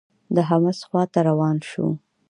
د حمص خوا ته روان شو.